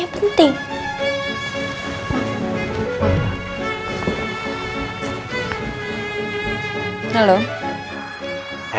jadi maen afric idan al ouh aku juga